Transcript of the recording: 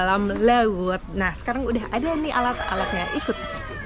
dalam laut nah sekarang udah ada nih alat alatnya ikut